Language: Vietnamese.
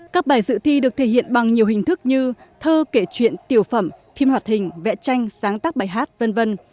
các bài dự thi được thể hiện bằng nhiều hình thức như thơ kể chuyện tiểu phẩm phim hoạt hình vẽ tranh sáng tác bài hát v v